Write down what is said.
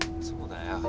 そうだよ。